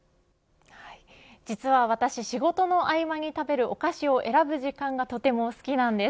実は私仕事の合間に食べるお菓子を選ぶ時間がとても好きなんです。